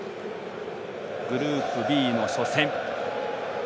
グループＢの初戦。